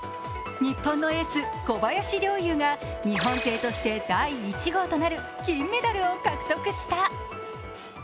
日本のエース・小林陵侑が日本勢として第一号となる金メダルを獲得した。